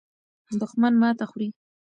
دښمن ماته خوري.